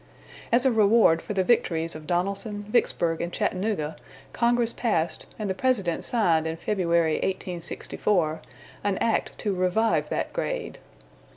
As a reward for the victories of Donelson, Vicksburg, and Chattanooga, Congress passed, and the President signed in February, 1864, an act to revive that grade.